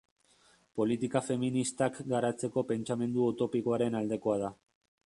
Politika feministak garatzeko pentsamendu utopikoaren aldekoa da.